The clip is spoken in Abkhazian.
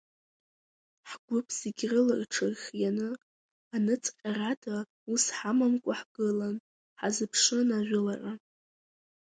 Ҳгәыԥ зегь рыла рҽырхианы, аныҵҟьарада ус ҳамамкәа ҳгылан, ҳазыԥшын ажәылара.